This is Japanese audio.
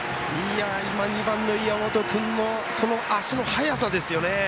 今、２番の岩本君の足の速さですよね。